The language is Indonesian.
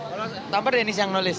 kalau tampar denny siang nulis